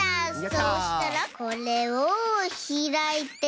そしたらこれをひらいて。